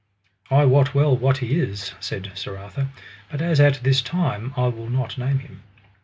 I wot well what he is, said King Arthur, but as at this time I will not name him.